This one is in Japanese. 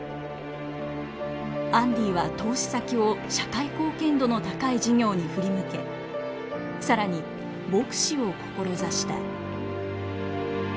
アンディは投資先を社会貢献度の高い事業に振り向け更に牧師を志した。